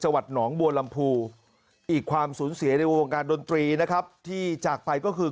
วัดหนองบัวลำพูอีกความสูญเสียในวงการดนตรีนะครับที่จากไปก็คือ